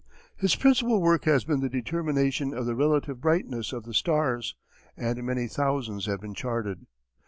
His principal work has been the determination of the relative brightness of the stars, and many thousands have been charted.